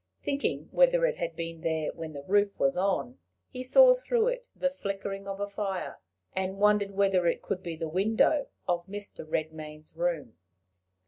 Thinking whether it had been there when the roof was on, he saw through it the flickering of a fire, and wondered whether it could be the window of Mr. Redmain's room.